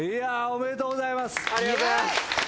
おめでとうございます。